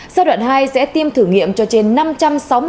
giai đoạn hai sẽ tiêm thử nghiệm cho trên năm trăm sáu mươi người